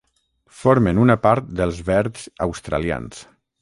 Formen una part dels Verds Australians.